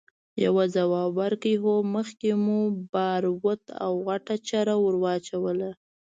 يوه ځواب ورکړ! هو، مخکې مو باروت او غټه چره ور واچوله!